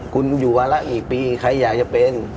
คุณอยู่วาระกี่ปีใครอยากจะเป็น